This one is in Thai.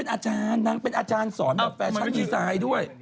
นางเป็นอาจารย์สอนแบบแฟรชั่นดีไซน์ด้วย